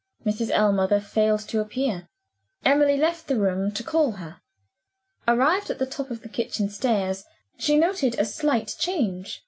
Mrs. Ellmother failed to appear. Emily left the room to call her. Arrived at the top of the kitchen stairs, she noted a slight change.